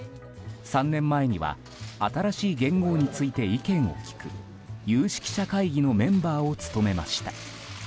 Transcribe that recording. ３年前には新しい元号について意見を聞く有識者会議のメンバーを務めました。